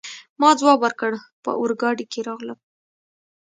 ما ځواب ورکړ: په اورګاډي کي راغلم.